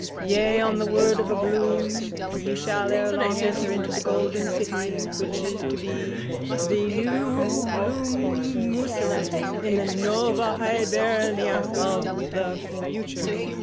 Yea, on the word of a Bloom, ye shall ere long enter into the golden city which is to be, the new Bloomusalem in the Nova Hibernia of the future.